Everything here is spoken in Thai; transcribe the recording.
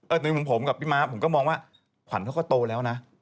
ในมุมผมกับพี่ม้าผมก็มองว่าขวัญเขาก็โตแล้วนะ